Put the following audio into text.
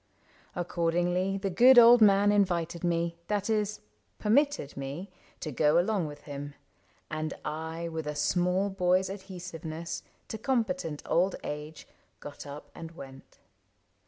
Accordingly The good old man invited me — that is, Permitted me — to go along with him; And I, with a small boy's adhesiveness To competent old age, got up and went.